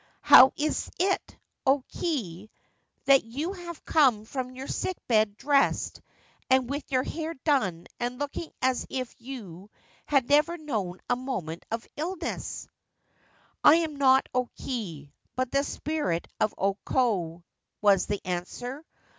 ' How is it, O Kei, that you have come from your sick bed dressed and with your hair done and looking as if you had never known a moment of illness ?'' I am not O Kei, but the spirit of O Ko/ was the answer.